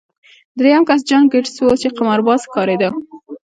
درېیم کس جان ګیټس و چې قمارباز ښکارېده